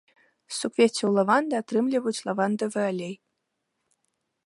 З суквеццяў лаванды атрымліваюць лавандавы алей.